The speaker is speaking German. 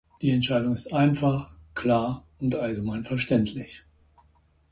Die Entscheidung ist einfach, klar und allgemein verständlich.